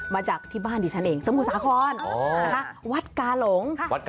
มาจากที่บ้านดิฉันเองสมุทรสาครนะคะวัดกาหลง